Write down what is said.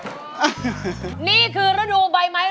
อะไรกันดีวันนี้มันไปไหนกันอยู่แล้วเนี่ยหลายคน